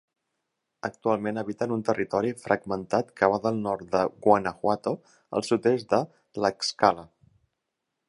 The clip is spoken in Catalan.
Actualment habiten un territori fragmentat que va del nord de Guanajuato al sud-est de Tlaxcala.